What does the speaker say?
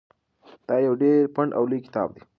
دا یو ډېر پنډ او لوی کتاب دی.